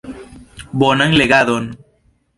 Bonan legadon!